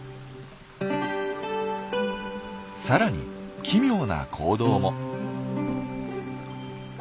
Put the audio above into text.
さらに奇妙な行動も。